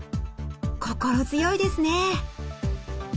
心強いですね！